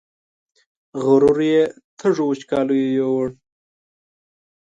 غرور یې تږو وچکالیو یووړ